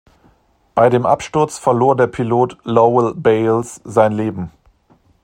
Bei dem Absturz verlor der Pilot Lowell Bayles sein Leben.